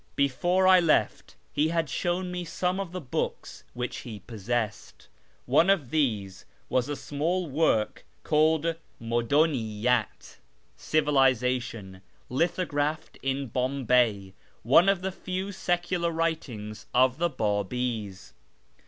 Before I left he had shown me some of the books which he possessed. One of these was a small work called Muduniyijat (" Civilisation"), lithographed in Bombay, one of the few secular writincrs of the Biibi's.